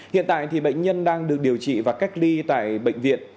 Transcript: hiện tại bệnh nhân đang được điều trị và cách ly tại bệnh viện